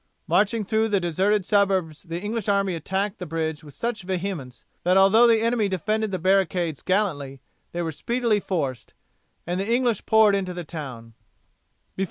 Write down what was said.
Marching through the deserted suburbs the English army attacked the bridge with such vehemence that although the enemy defended the barricades gallantly they were speedily forced, and the English poured into the town.